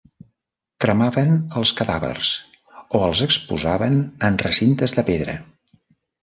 Cremaven els cadàvers o els exposaven en recintes de pedra.